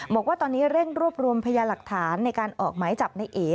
บอกว่าตอนนี้เร่งรวบรวมพยาหลักฐานในการออกหมายจับในเอ